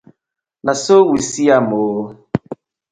Na so we see am oo.